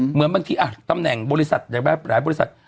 เหมือนบางทีตำแหน่งบริษัทหลายบริษัท